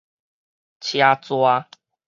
車逝